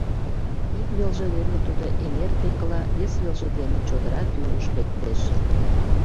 Ик велже дене тудо эҥер декыла, вес велже дене чодыра тӱрыш лектеш.